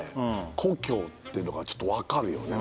故郷ってのがちょっと分かるよね